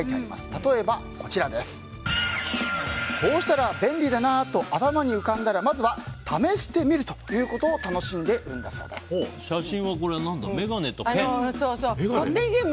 例えば、こうしたら便利だなと頭に浮かんだらまずは試してみるということを写真は、眼鏡とペン？